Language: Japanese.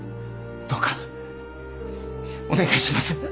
どうかお願いします！